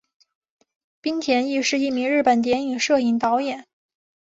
滨田毅是一名日本电影摄影导演。